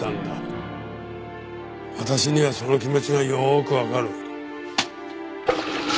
私にはその気持ちがよーくわかる。